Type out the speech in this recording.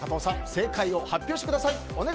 正解を発表してください。